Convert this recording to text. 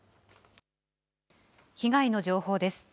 被害の情報です。